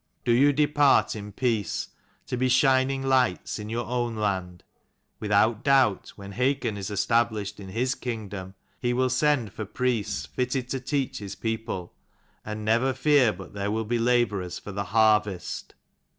Do you depart in peace, to be shining lights in your own land. Without doubt when Hakon is established in his kingdom he will send for priests fitted to teach his people, and never fear but there will be labourers for the harvest."